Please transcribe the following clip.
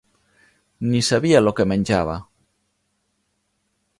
Ni sabia lo que menjava